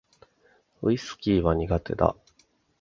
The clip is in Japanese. ウィスキーは苦手だ